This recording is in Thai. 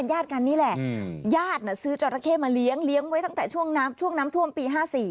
ญาติกันนี่แหละญาติซื้อจราเข้มาเลี้ยงเลี้ยงไว้ตั้งแต่ช่วงน้ำท่วมปี๕๔